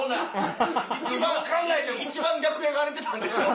一番一番楽屋が荒れてたんでしょ？